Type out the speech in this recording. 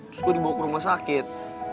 terus gue dibawa ke rumah sakit